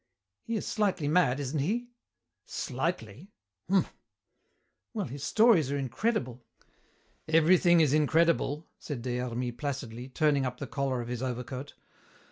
"He is slightly mad, isn't he?" "Slightly? Humph." "Well, his stories are incredible." "Everything is incredible," said Des Hermies placidly, turning up the collar of his overcoat.